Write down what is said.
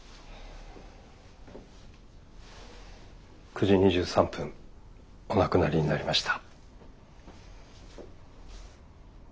９時２３分お亡くなりになりました。